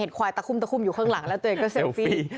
เห็นควายตะคุ่มอยู่ข้างหลังแล้วตัวเองก็เซลฟี่